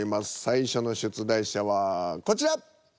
最初の出題者はこちら。